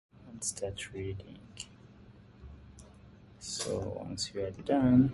They are believed to be either inhabited or animated by sylvan deities.